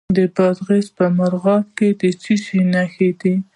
د بادغیس په مرغاب کې د څه شي نښې دي؟